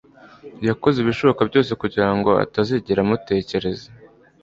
Yakoze ibishoboka byose kugirango atazigera amutekereza